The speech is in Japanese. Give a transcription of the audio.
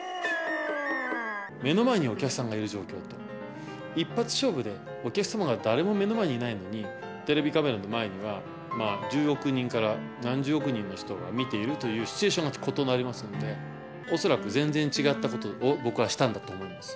目の前にお客さんがいる状況と、一発勝負でお客様が誰も目の前にいないのに、テレビカメラの前には、１０億人から何十億人の人が見ているというシチュエーションが異なりますんで、恐らく全然違ったことを僕はしたんだと思うんです。